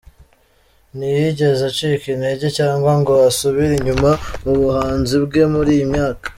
Ntiyigeze acika intege cyangwa ngo asubire inyuma mu buhanzi bwe muri iyi myaka.